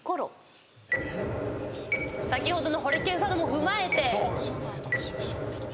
先ほどのホリケンさんのも踏まえて。